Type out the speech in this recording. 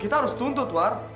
kita harus tuntut wak